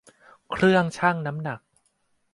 เครื่องชั่งน้ำหนัก